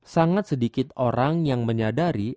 sangat sedikit orang yang menyadari